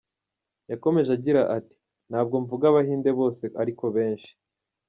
Yakomeje agira ati “Ntabwo mvuga abahinde bose ariko abenshi.